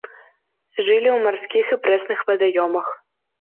Жылі ў марскіх і прэсных вадаёмах.